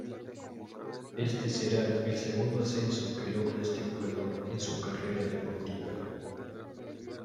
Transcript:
Este será el segundo ascenso que logra este jugador en su carrera deportiva.